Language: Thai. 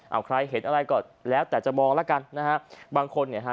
เอาใครเห็นอะไรก็แล้วแต่จะมองแล้วกันนะฮะบางคนเนี่ยฮะ